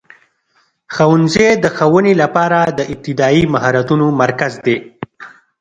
ښوونځی د ښوونې لپاره د ابتدایي مهارتونو مرکز دی.